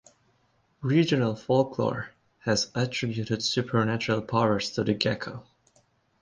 Regional folklore has attributed supernatural powers to the gecko.